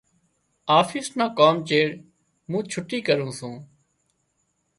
آفيس نا ڪام چيڙ مُون ڇُٽُو ڪرُون سُون۔